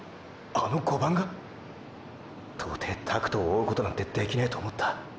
あの５番が⁉到底拓斗を追うことなんてできねぇと思った。